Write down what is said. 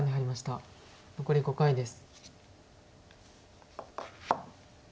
残り５回です。